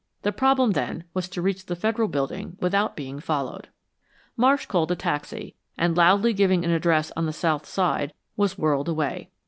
The problem then was to reach the Federal Building without being followed. Marsh called a taxi, and loudly giving an address on the South Side, was whirled away.